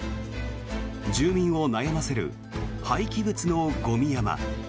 住民を悩ませる廃棄物のゴミ山。